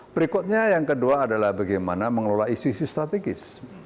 berikutnya yang kedua adalah bagaimana mengelola isu isu strategis